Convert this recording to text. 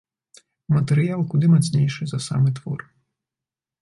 Матэрыял куды мацнейшы за самы твор.